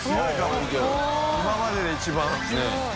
今までで一番。ねぇ。